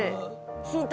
ヒント